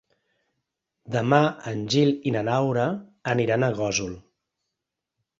Demà en Gil i na Laura aniran a Gósol.